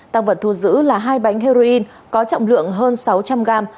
tăng vật thu giữ là hai bánh heroin có trọng lượng hơn sáu trăm linh gram